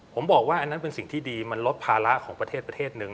ผมบอกว่าอันนั้นเป็นสิ่งที่ดีมันลดภาระของประเทศประเทศหนึ่ง